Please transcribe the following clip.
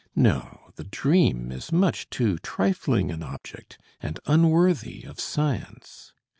No, the dream is much too trifling an object, and unworthy of Science.